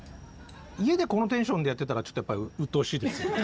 家でこのテンションでやってたらちょっとやっぱりうっとうしいですよ。